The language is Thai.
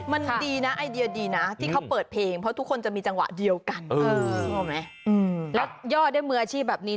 มันดีนะไอเดียดีนะที่เขาเปิดเพลงเพราะทุกคนจะมีจังหวะเดียวกันแล้วย่อด้วยมืออาชีพแบบนี้